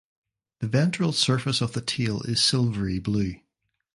The ventral surface of the tail is silvery blue.